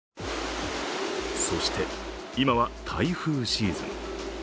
そして、今は台風シーズン。